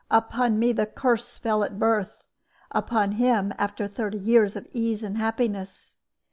Upon me the curse fell at birth; upon him, after thirty years of ease and happiness.